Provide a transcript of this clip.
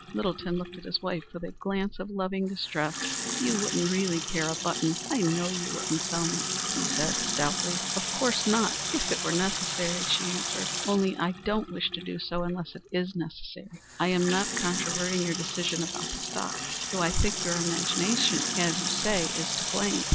Littleton looked at his wife with a glance of loving distress. "You wouldn't really care a button. I know you wouldn't, Selma," he said, stoutly. "Of course not, if it were necessary," she answered. "Only I don't wish to do so unless it is necessary. I am not controverting your decision about the stocks, though I think your imagination, as you say, is to blame.